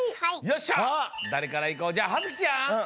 よっしゃだれからいこうじゃあはづきちゃん。